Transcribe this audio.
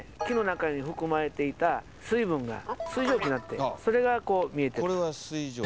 木の中に含まれていた水分が水蒸気になってそれがこう見えてると。